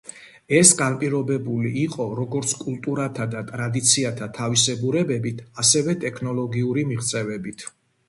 ეს განპირობებული იყო როგორც კულტურათა და ტრადიციათა თავისებურებებით, ასევე ტექნოლოგიური მიღწევებით.